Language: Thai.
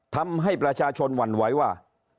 ทำให้ประชาชนหวั่นไหวว่า